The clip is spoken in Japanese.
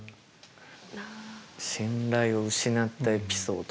信頼を失ったエピソード。